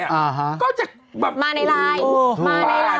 ก็จะแบบมาในไลน์